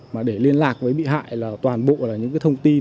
mà để liên lạc với bị hại là toàn bộ là những cái thông tin